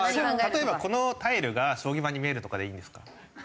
例えばこのタイルが将棋盤に見えるとかでいいんですか？